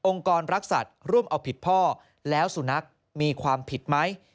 กรรักษัตริย์ร่วมเอาผิดพ่อแล้วสุนัขมีความผิดไหม